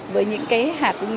với những cái hạt mua sắm này